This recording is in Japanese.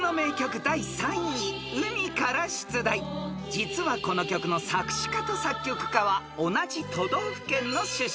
［実はこの曲の作詞家と作曲家は同じ都道府県の出身］